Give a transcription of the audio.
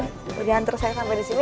mudah mudahan terus saya sampai disini